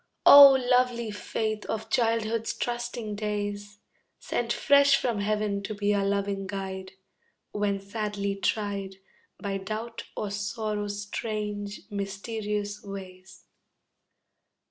Oh, lovely faith of childhood's trusting days, Sent fresh from heaven to be our loving guide, When sadly tried By doubt or sorrow's strange, mysterious ways.